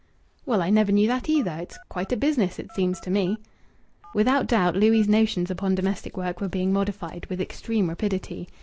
"Well, I never knew that either! It's quite a business, it seems to me." Without doubt Louis' notions upon domestic work were being modified with extreme rapidity.